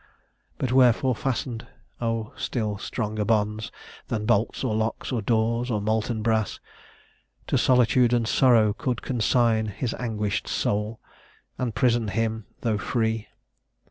"But wherefore fasten'd? Oh! still stronger bonds Than bolts, or locks, or doors of molten brass, To solitude and sorrow could consign His anguish'd soul, and prison him, though free!